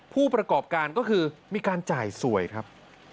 ผู้ประกอบการก็คือมีการจ่ายสวยครับ